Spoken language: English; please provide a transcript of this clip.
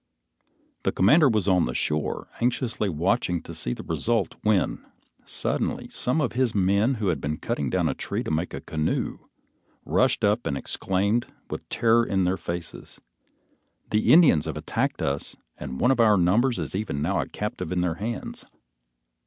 The commander was on the shore, anxiously watching to see the result, when, suddenly, some of his men who had been cutting down a tree to make a canoe, rushed up and exclaimed, with terror in their faces, "The Indians have attacked us and one of our number is even now a captive in their hands."